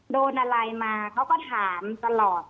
โดนอะไรมาเขาก็ถามตลอด